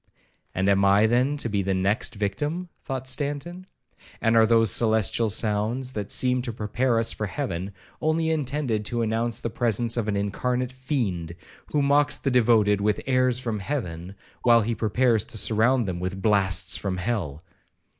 'And am I then to be the next victim?' thought Stanton; 'and are those celestial sounds, that seem to prepare us for heaven, only intended to announce the presence of an incarnate fiend, who mocks the devoted with "airs from heaven," while he prepares to surround them with "blasts from hell"?'